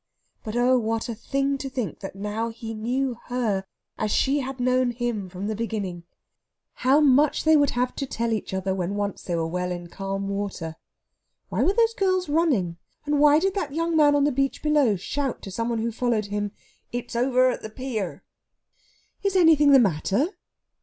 But oh, what a thing to think that now he knew her as she had known him from the beginning! How much they would have to tell each other, when once they were well in calm water!... Why were those girls running, and why did that young man on the beach below shout to some one who followed him, "It's over at the pier"? "Is anything the matter?"